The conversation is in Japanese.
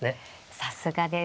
さすがです。